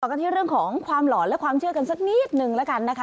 กันที่เรื่องของความหลอนและความเชื่อกันสักนิดนึงแล้วกันนะคะ